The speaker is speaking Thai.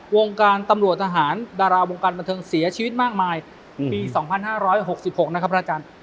วงการตำรวจทหารดาราวงการบันเทิงเสียชีวิตมากมายปี๒๕๖๖นะครับพระอาจารย์